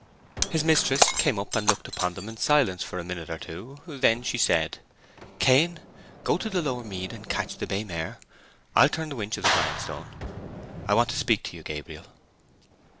His mistress came up and looked upon them in silence for a minute or two; then she said— "Cain, go to the lower mead and catch the bay mare. I'll turn the winch of the grindstone. I want to speak to you, Gabriel."